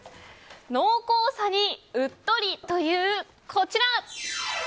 濃厚さにうっとりというこちら！